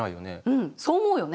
うんそう思うよね。